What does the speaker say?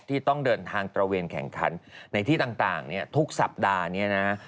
ที่ต้องเดินทางตระเวนแข่งขันในที่ต่างเนี่ยทุกสัปดาห์นี้นะ